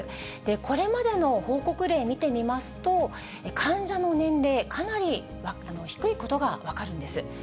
これまでの報告例見てみますと、患者の年齢、かなり低いことが分かるんです。